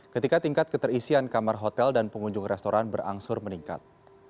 ketika tingkat keterisian kamar hotel dan pengunjung restoran berangsur meningkat